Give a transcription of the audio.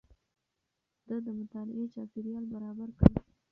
ده د مطالعې چاپېريال برابر کړ.